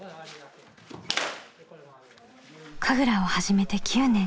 神楽を始めて９年。